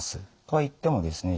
とは言ってもですね